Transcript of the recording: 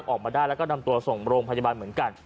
ออกมาได้แล้วก็นำตัวส่งโรงพยาบาลเหมือนกัน